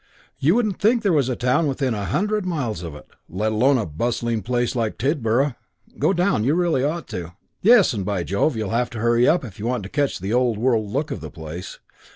You wouldn't think there was a town within a hundred miles of it, let alone a bustling great place like Tidborough. Go down. You really ought to. Yes, and by Jove you'll have to hurry up if you want to catch the old world look of the place.